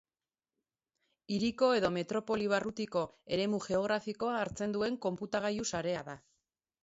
Hiriko edo metropoli-barrutiko eremu geografikoa hartzen duen konputagailu-sarea da.